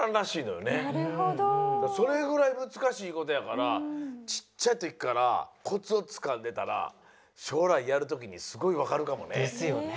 それぐらいむずかしいことやからちっちゃいときからコツをつかんでたらしょうらいやるときにすごいわかるかもね。ですよね。